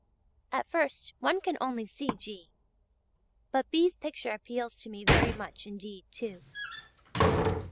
At first one can only see G.; but B's. picture appeals to me very much indeed too.